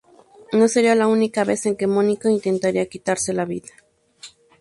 No sería la única vez en que Mónica intentaría quitarse la vida.